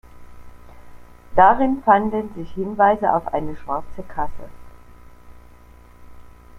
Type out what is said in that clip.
Darin fanden sich Hinweise auf eine schwarze Kasse.